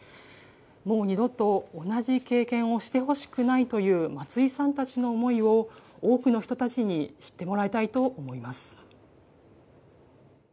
もう二度と同じ経験をしてほしくないという松井さんたちの思いを多くの人たちに知ってもらいたいと思います。